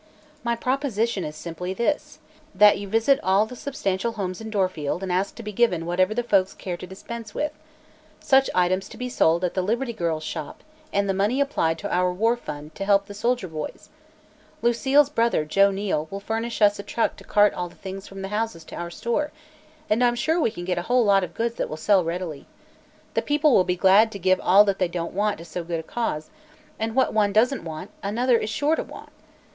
"My proposition is simply this: that you visit all the substantial homes in Dorfield and ask to be given whatever the folks care to dispense with, such items to be sold at 'The Liberty Girls' Shop' and the money applied to our War Fund to help the soldier boys. Lucile's brother, Joe Neal, will furnish us a truck to cart all the things from the houses to our store, and I'm sure we can get a whole lot of goods that will sell readily. The people will be glad to give all that they don't want to so good a cause, and what one doesn't want, another is sure to want.